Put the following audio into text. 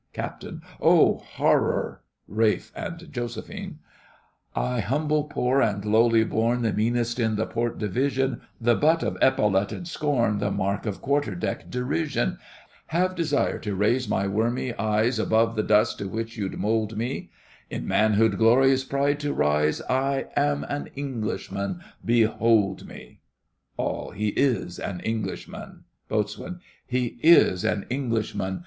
CAPT. Oh, horror! RALPH and Jos. { I } humble, poor, and lowly born, He The meanest in the port division— The butt of epauletted scorn— The mark of quarter deck derision— Have } dare to raise { my } wormy eyes Has his Above the dust to which you'd mould { me him In manhood's glorious pride to rise, I am } an Englishman—behold { me He is him ALL. He is an Englishman! BOAT. He is an Englishman!